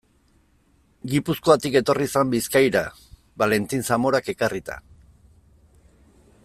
Gipuzkoatik etorri zen Bizkaira, Valentin Zamorak ekarrita.